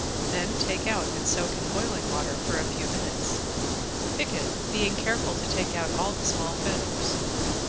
Then take out and soak in boiling water for a few minutes. Pick it, being careful to take out all the small feathers.